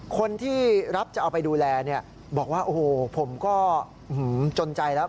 คนที่รับจะเอาไปดูแลบอกว่าโอ้โหผมก็จนใจแล้ว